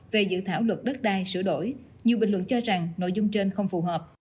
về dự thảo luật đất đai sửa đổi nhiều bình luận cho rằng nội dung trên không phù hợp